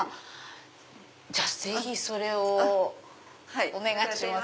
じゃあぜひそれをお願いします。